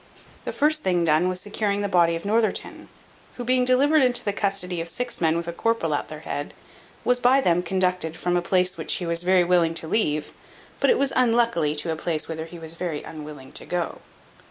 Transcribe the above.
The first thing done was securing the body of Northerton, who being delivered into the custody of six men with a corporal at their head, was by them conducted from a place which he was very willing to leave, but it was unluckily to a place whither he was very unwilling to go.